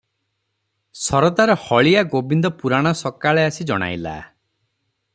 ସରଦାର ହଳିଆ ଗୋବିନ୍ଦ ପୁରାଣ ସକାଳେ ଆସି ଜଣାଇଲା